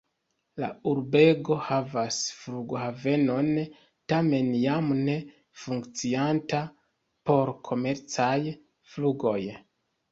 La urbego havas flughavenon, tamen jam ne funkcianta por komercaj flugoj.